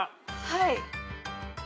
はい。